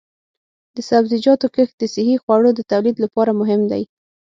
د سبزیجاتو کښت د صحي خوړو د تولید لپاره مهم دی.